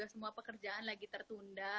semua pekerjaan lagi tertunda